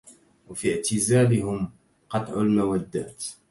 وفي اعتزالهم قطع المـودات